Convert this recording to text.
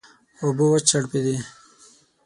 اوبه وچړپېدې.